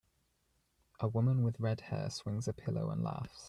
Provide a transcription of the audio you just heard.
A woman with redhair swings a pillow and laughs.